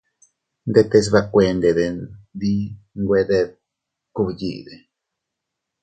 ¡Ndetes nbekuended dii nwe deb kugbyiʼide!